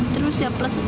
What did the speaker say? terus ya berapa ini